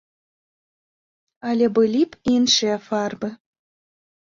Але былі б іншыя фарбы.